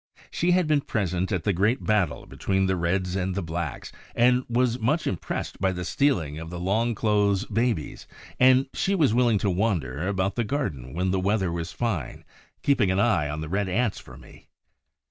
She had been present at the great battle between the Reds and the Blacks and was much impressed by the stealing of the long clothes babies, and she was willing to wander about the garden when the weather was fine, keeping an eye on the Red Ants for me.